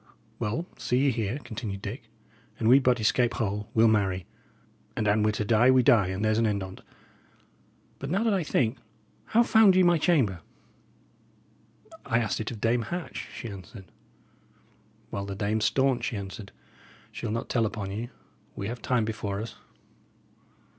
"Well, see ye here," continued Dick, "an we but escape whole we'll marry; and an we're to die, we die, and there's an end on't. But now that I think, how found ye my chamber?" "I asked it of Dame Hatch," she answered. "Well, the dame's staunch," he answered; "she'll not tell upon you. We have time before us."